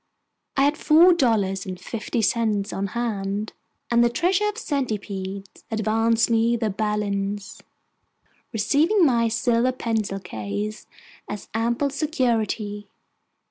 I had four dollars and fifty cents on hand, and the treasurer of the Centipedes advanced me the balance, receiving my silver pencil case as ample security.